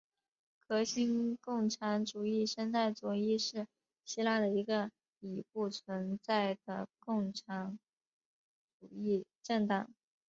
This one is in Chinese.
革新共产主义生态左翼是希腊的一个已不存在的共产主义政党。